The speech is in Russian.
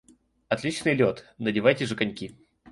Отличный лед, надевайте же коньки.